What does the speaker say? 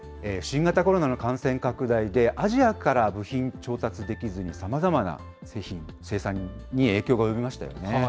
新型コロナの感染拡大で、アジアから部品調達できずに、さまざまな製品の生産に影響が及びましたよね。